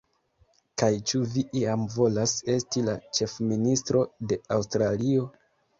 Kaj ĉu vi iam volas esti la ĉefministro de Aŭstralio?